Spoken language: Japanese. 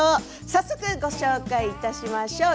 早速、ご紹介いたしましょう。